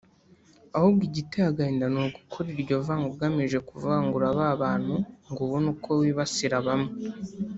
ahubwo igiteye agahinda ni ugukora iryo vanga ugamije kuvangura ba bantu ngo ubone uko wibasira bamwe